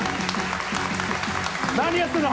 何やってるの！